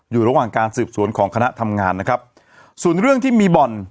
อยู่ระหว่างการสืบสวนของคณะทำงานนะครับส่วนเรื่องที่มีบ่อน